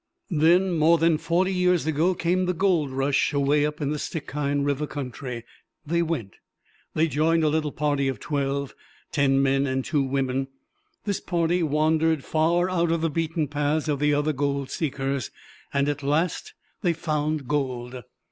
Then, more than forty years ago, came the gold rush away up in the Stikine River country. They went. They joined a little party of twelve ten men and two women. This party wandered far out of the beaten paths of the other gold seekers. And at last they found gold."